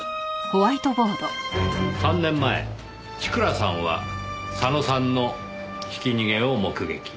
３年前千倉さんは佐野さんのひき逃げを目撃。